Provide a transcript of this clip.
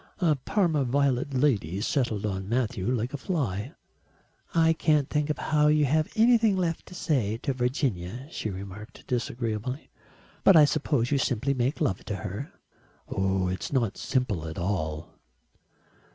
A parma violet lady settled on Matthew like a fly. "I can't think how you have anything left to say to Virginia," she remarked disagreeably. "But I suppose you simply make love to her." "It is not simple at all."